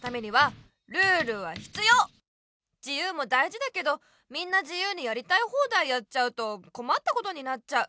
じゆうもだいじだけどみんなじゆうにやりたいほうだいやっちゃうとこまったことになっちゃう。